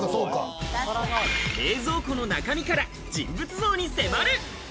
冷蔵庫の中身から人物像に迫る。